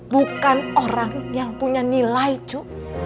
bukan orang yang punya nilai cu